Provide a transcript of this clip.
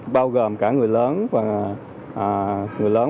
bao gồm cả người lớn